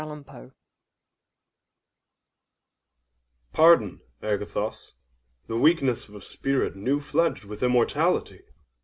Pardon, Agathos, the weakness of a spirit new fledged with immortality!